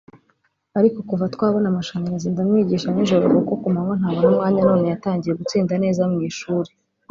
Ariko kuva twabona amashanyarazi ndamwigisha nijoro kuko kumanywa ntabona umwanya none yatangiye gutsinda neza mwishuri »